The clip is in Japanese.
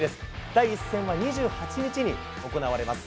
第１戦は２８日に行われます。